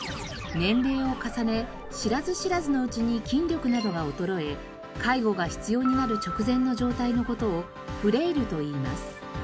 年齢を重ね知らず知らずのうちに筋力などが衰え介護が必要になる直前の状態の事をフレイルといいます。